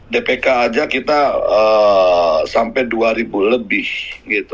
dpk aja kita sampai dua ribu lebih gitu